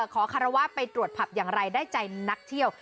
คารวาสไปตรวจผับอย่างไรได้ใจนักเที่ยว